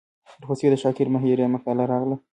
ورپسې د شاکر مهریار مقاله راغله.